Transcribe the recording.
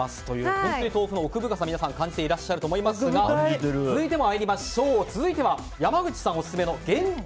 本当に豆腐の奥深さを皆さん感じていると思いますが続いては山口さんオススメの限定